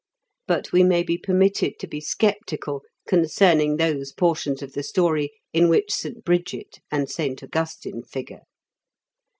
But we may be permitted to be sceptical concerning those portions of the story in which St. Bridget and St. Augustine figure.